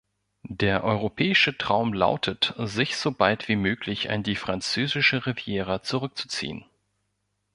Der europäische Traum lautet, sich so bald wie möglich an die französische Riviera zurückzuziehen.